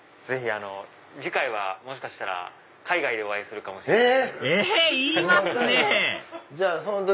ぜひ次回はもしかしたら海外でお会いするかもしれない。